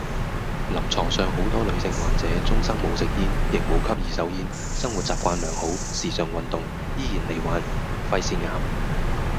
臨床上好多女性患者，終生冇食煙亦冇吸二手煙，生活習慣良好時常運動，依然罹患肺腺癌